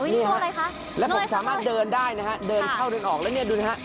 นี่ค่ะแล้วผมสามารถเดินได้นะฮะเดินเข้าเดินออกแล้วดูนะฮะ